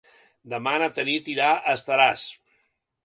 Demà na Tanit irà a Estaràs.